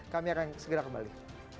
kami akan segera kembali